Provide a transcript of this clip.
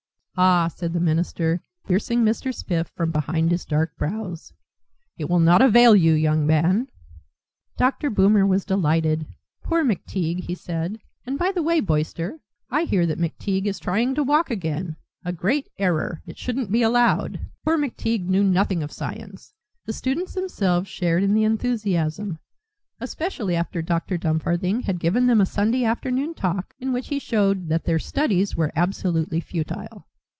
"Ah," said the minister, piercing Mr. Spiff from beneath his dark brows, "it will not avail you, young man." Dr. Boomer was delighted. "Poor McTeague," he said "and by the way, Boyster, I hear that McTeague is trying to walk again; a great error, it shouldn't be allowed! poor McTeague knew nothing of science." The students themselves shared in the enthusiasm, especially after Dr. Dumfarthing had given them a Sunday afternoon talk in which he showed that their studies were absolutely futile.